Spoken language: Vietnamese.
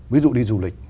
ví dụ đi du lịch